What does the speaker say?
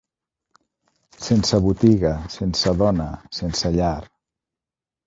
Sense botiga, sense dona, sense llar